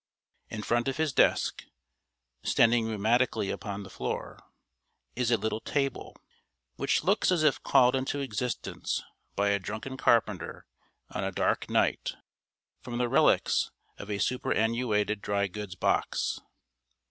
In front of his desk, standing rheumatically upon the floor, is a little table, which looks as if called into existence by a drunken carpenter on a dark night, from the relics of a superannuated dry goods box.